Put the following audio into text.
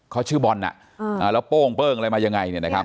เขาชื่อบอลแล้วโป้งเปิ้งอะไรมายังไงเนี่ยนะครับ